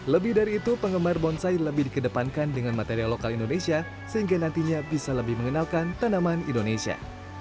lebih dari itu penggemar bonsai lebih dikedepankan dengan material lokal indonesia sehingga nantinya bisa lebih mengenalkan tanaman indonesia